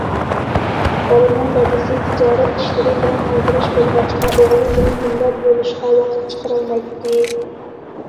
بالىنىڭ دادىسى تىجارەت ئىشلىرى بىلەن ئالدىراش بولغاچقا، ئوغلى بىلەن بىللە بولۇشقا ۋاقىت چىقىرالمايتتى.